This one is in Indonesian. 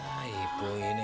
baik bu ini